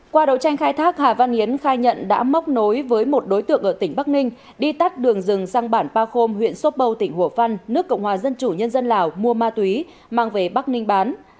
qua đấu tranh khai thác hà văn hiến khai nhận đã móc nối với một đối tượng ở tỉnh bắc ninh đi tắt đường rừng sang bản pa khôm huyện sô bâu tỉnh hồ phan nước cộng hòa dân chủ nhân dân lào mua ma túy mang về bắc ninh bán